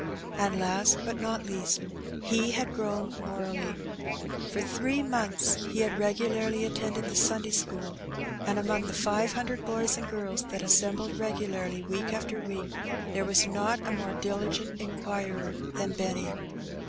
And last^ but not leasts he had grown morally. For three months he had regularly attended the Sunday school^ and among the five hundred boys and girls that assembled regularly week after week there was not a more diligent inquirer than Benny.